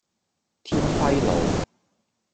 天暉路